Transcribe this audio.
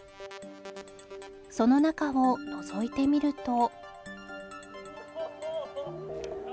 その中をのぞいてみると